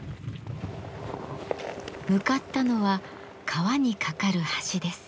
向かったのは川に架かる橋です。